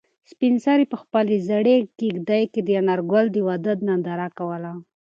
سپین سرې په خپلې زړې کيږدۍ کې د انارګل د واده ننداره کوله.